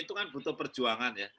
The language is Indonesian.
itu kan butuh perjuangan ya